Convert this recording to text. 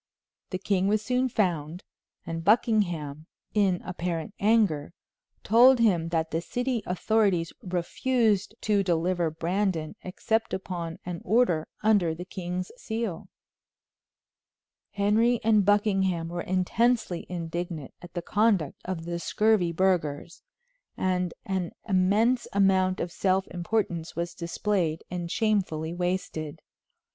The king was soon found, and Buckingham, in apparent anger, told him that the city authorities refused to deliver Brandon except upon an order under the king's seal. Henry and Buckingham were intensely indignant at the conduct of the scurvy burghers, and an immense amount of self importance was displayed and shamefully wasted.